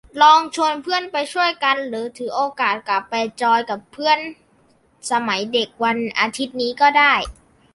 ลองชวนเพื่อนไปช่วยกัน หรือถือโอกาสกลับไปจอยกับเพื่อนสมัยเด็กวันอาทิตย์นี้ก็ได้